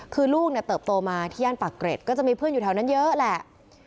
คือลูกเนี่ยเติบโตมาที่ย่านปากเกร็ดก็จะมีเพื่อนอยู่แถวนั้นเยอะแหละ